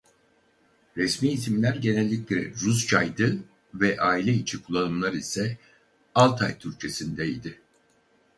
Resmi isimler genellikle Rusçaydı ve aile içi kullanımlar ise Altay Türkçesi'nde idi.